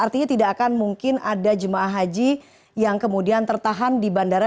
artinya tidak akan mungkin ada jemaah haji yang kemudian tertahan di bandara